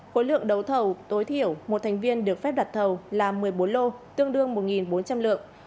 khối lượng đấu thầu tối thiểu một thành viên được phép đặt thầu là một mươi bốn lô tương đương một bốn trăm linh lượng